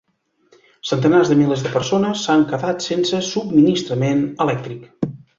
Centenars de milers de persones s’han quedat sense subministrament elèctric.